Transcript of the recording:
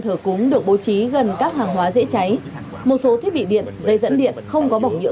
thờ cúng được bố trí gần các hàng hóa dễ cháy một số thiết bị điện dây dẫn điện không có bỏng nhựa